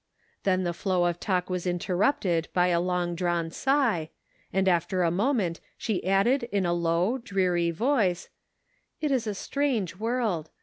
Then the flow of talk was interrupted by a long drawn sigh, and after a moment she added in a low, dreary voice :" It is a strange world.